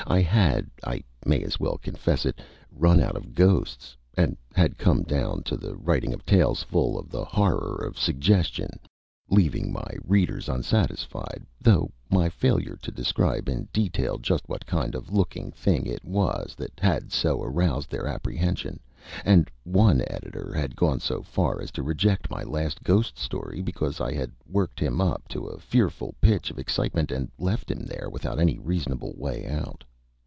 I had, I may as well confess it, run out of ghosts, and had come down to the writing of tales full of the horror of suggestion, leaving my readers unsatisfied through my failure to describe in detail just what kind of looking thing it was that had so aroused their apprehension; and one editor had gone so far as to reject my last ghost story because I had worked him up to a fearful pitch of excitement, and left him there without any reasonable way out.